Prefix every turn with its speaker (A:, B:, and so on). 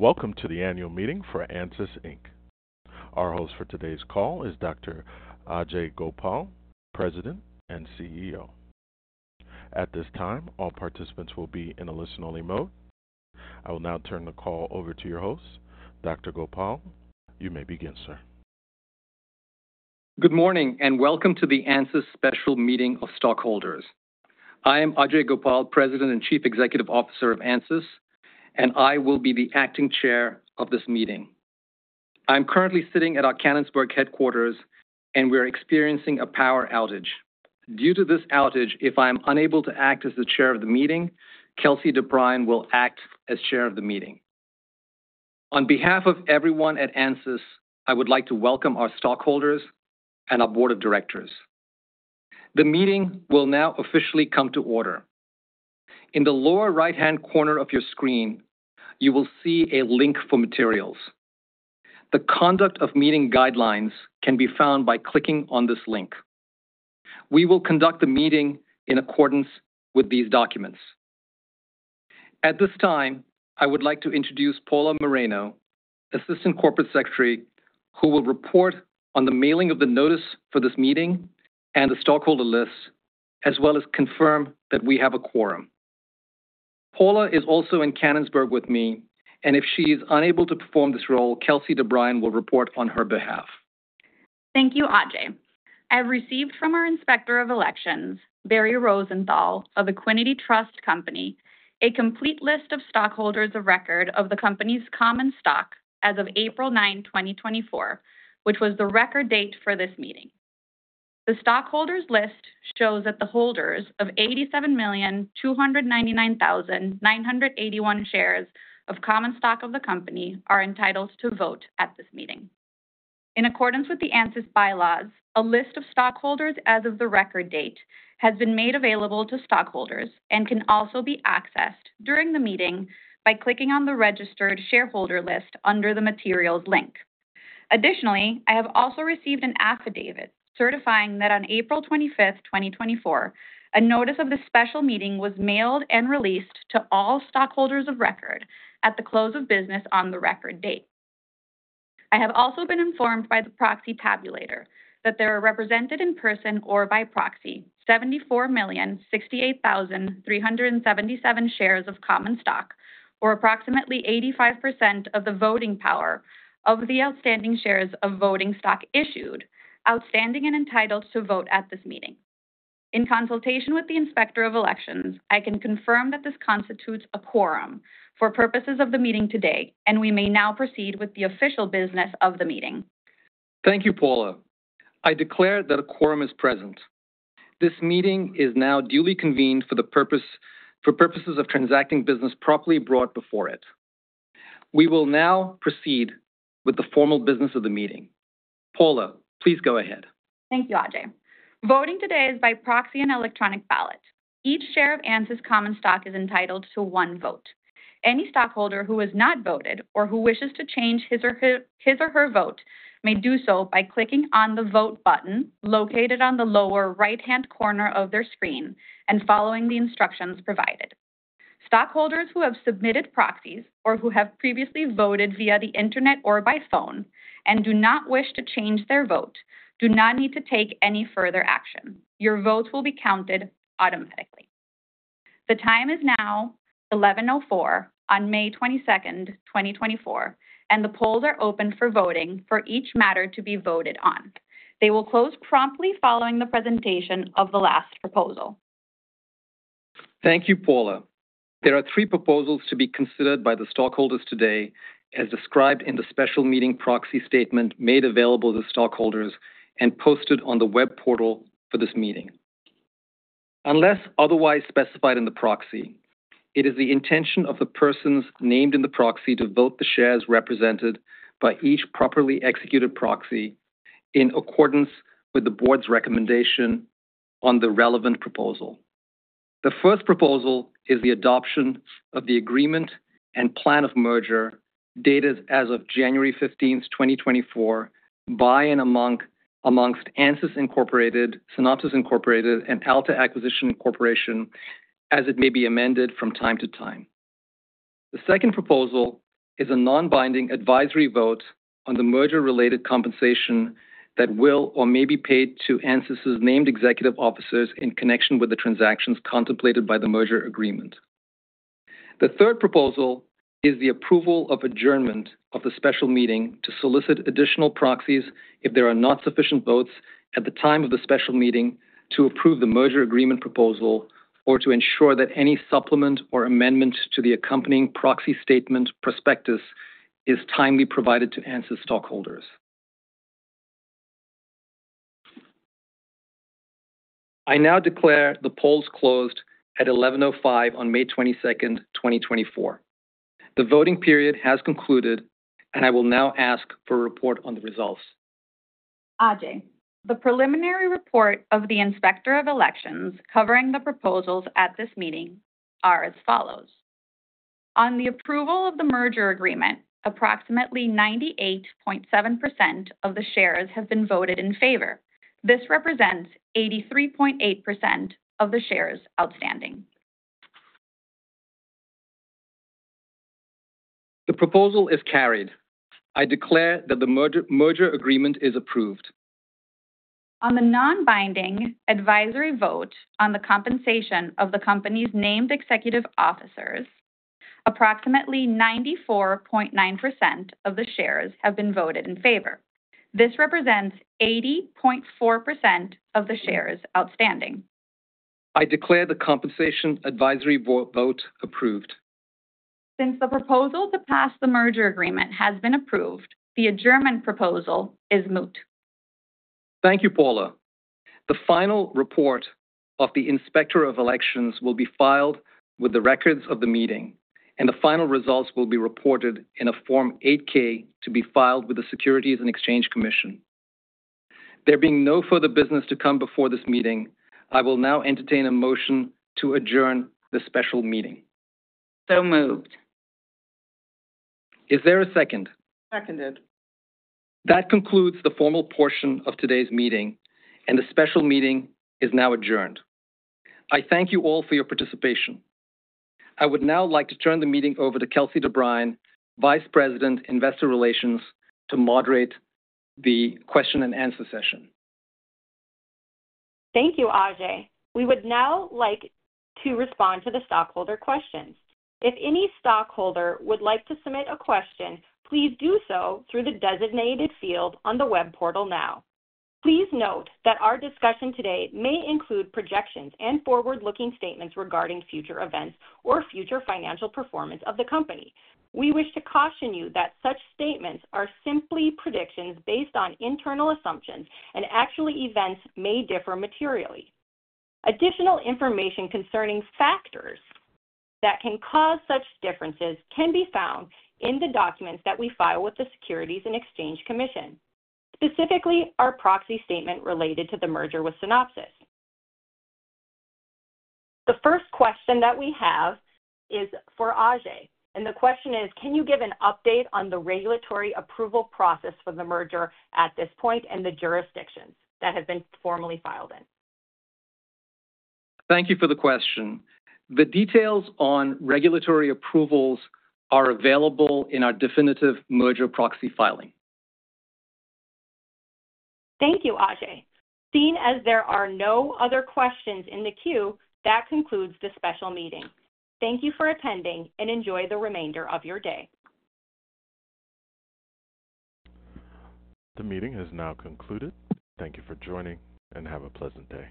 A: Welcome to the annual meeting for ANSYS, Inc. Our host for today's call is Dr. Ajei Gopal, President and CEO. At this time, all participants will be in a listen-only mode. I will now turn the call over to your host. Dr. Ajei Gopal, you may begin, sir.
B: Good morning, and welcome to the ANSYS Special Meeting of Stockholders. I am Ajei Gopal, President and Chief Executive Officer of ANSYS, and I will be the acting chair of this meeting. I'm currently sitting at our Canonsburg headquarters, and we're experiencing a power outage. Due to this outage, if I'm unable to act as the chair of the meeting, Kelsey DeBriyn will act as chair of the meeting. On behalf of everyone at ANSYS, I would like to welcome our stockholders and our board of directors. The meeting will now officially come to order. In the lower right-hand corner of your screen, you will see a link for materials. The conduct of meeting guidelines can be found by clicking on this link. We will conduct the meeting in accordance with these documents. At this time, I would like to introduce Paula Moreno, Assistant Corporate Secretary, who will report on the mailing of the notice for this meeting and the stockholder list, as well as confirm that we have a quorum. Paula is also in Canonsburg with me, and if she's unable to perform this role, Kelsey DeBriyn will report on her behalf.
C: Thank you, Ajei. I've received from our Inspector of Elections, Barry Rosenthal of Equiniti Trust Company, a complete list of stockholders of record of the company's common stock as of April 9, 2024, which was the record date for this meeting. The stockholders' list shows that the holders of 87,299,981 shares of common stock of the company are entitled to vote at this meeting. In accordance with the ANSYS bylaws, a list of stockholders as of the record date has been made available to stockholders and can also be accessed during the meeting by clicking on the registered shareholder list under the materials link. Additionally, I have also received an affidavit certifying that on April 25th, 2024, a notice of this special meeting was mailed and released to all stockholders of record at the close of business on the record date. I have also been informed by the proxy tabulator that they are represented in person or by proxy 74,068,377 shares of common stock, or approximately 85% of the voting power of the outstanding shares of voting stock issued, outstanding and entitled to vote at this meeting. In consultation with the Inspector of Elections, I can confirm that this constitutes a quorum for purposes of the meeting today, and we may now proceed with the official business of the meeting.
B: Thank you, Paula. I declare that a quorum is present. This meeting is now duly convened for the purpose—for purposes of transacting business properly brought before it. We will now proceed with the formal business of the meeting. Paula, please go ahead.
C: Thank you, Ajei. Voting today is by proxy and electronic ballot. Each share of ANSYS common stock is entitled to one vote. Any stockholder who has not voted or who wishes to change his or her vote may do so by clicking on the Vote button located on the lower right-hand corner of their screen and following the instructions provided. Stockholders who have submitted proxies or who have previously voted via the internet or by phone and do not wish to change their vote do not need to take any further action. Your votes will be counted automatically. The time is now 11:04 A.M. on May 22, 2024, and the polls are open for voting for each matter to be voted on. They will close promptly following the presentation of the last proposal.
B: Thank you, Paula. There are three proposals to be considered by the stockholders today, as described in the special meeting proxy statement made available to stockholders and posted on the web portal for this meeting. Unless otherwise specified in the proxy, it is the intention of the persons named in the proxy to vote the shares represented by each properly executed proxy in accordance with the board's recommendation on the relevant proposal. The first proposal is the adoption of the Agreement and Plan of Merger, dated as of January 15, 2024, by and amongst ANSYS, Incorporated, Synopsys, Incorporated, and Alta Acquisition Corporation, as it may be amended from time to time. The second proposal is a Non-binding advisory vote on the merger-related compensation that will or may be paid to ANSYS's named executive officers in connection with the transactions contemplated by the merger agreement. The third proposal is the approval of adjournment of the special meeting to solicit additional proxies if there are not sufficient votes at the time of the special meeting to approve the merger agreement proposal or to ensure that any supplement or amendment to the accompanying proxy statement prospectus is timely provided to ANSYS stockholders. I now declare the polls closed at 11:05 on May 22nd, 2024. The voting period has concluded, and I will now ask for a report on the results.
C: Ajei, the preliminary report of the Inspector of Elections covering the proposals at this meeting are as follows: On the approval of the merger agreement, approximately 98.7% of the shares have been voted in favor. ...
D: This represents 83.8% of the shares outstanding.
B: The proposal is carried. I declare that the merger, merger agreement is approved.
D: On the non-binding advisory vote on the compensation of the company's named executive officers, approximately 94.9% of the shares have been voted in favor. This represents 80.4% of the shares outstanding.
B: I declare the compensation advisory vote approved.
D: Since the proposal to pass the merger agreement has been approved, the adjournment proposal is moot.
B: Thank you, Paula. The final report of the Inspector of Elections will be filed with the records of the meeting, and the final results will be reported in a Form 8-K to be filed with the Securities and Exchange Commission. There being no further business to come before this meeting, I will now entertain a motion to adjourn this special meeting. So moved. Is there a second?
D: Seconded.
B: That concludes the formal portion of today's meeting, and the special meeting is now adjourned. I thank you all for your participation. I would now like to turn the meeting over to Kelsey DeBriyn, Vice President, Investor Relations, to moderate the question and answer session.
D: Thank you, Ajei. We would now like to respond to the stockholder questions. If any stockholder would like to submit a question, please do so through the designated field on the web portal now. Please note that our discussion today may include projections and forward-looking statements regarding future events or future financial performance of the company. We wish to caution you that such statements are simply predictions based on internal assumptions, and actual events may differ materially. Additional information concerning factors that can cause such differences can be found in the documents that we file with the Securities and Exchange Commission, specifically our proxy statement related to the merger with Synopsys. The first question that we have is for Ajei, and the question is: Can you give an update on the regulatory approval process for the merger at this point and the jurisdictions that have been formally filed in? Thank you for the question. The details on regulatory approvals are available in our definitive merger proxy filing. Thank you, Ajei. Seeing as there are no other questions in the queue, that concludes the special meeting. Thank you for attending, and enjoy the remainder of your day.
A: The meeting has now concluded. Thank you for joining, and have a pleasant day.